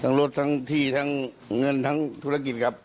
รถทั้งที่ทั้งเงินทั้งธุรกิจครับ